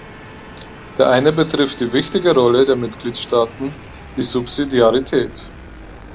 Der eine betrifft die wichtige Rolle der Mitgliedstaaten, die Subsidiarität.